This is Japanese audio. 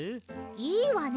いいわね。